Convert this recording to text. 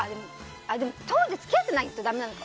当時付き合ってないとだめなのか。